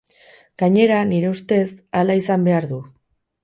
Gainera, nire ustez, hala izan behar du.